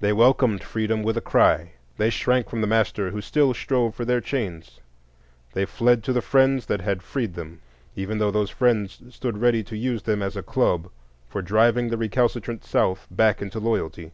They welcomed freedom with a cry. They shrank from the master who still strove for their chains; they fled to the friends that had freed them, even though those friends stood ready to use them as a club for driving the recalcitrant South back into loyalty.